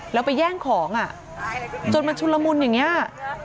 แล้วไปแย่งของอ่ะจนมันชุนละมุนอย่างนี้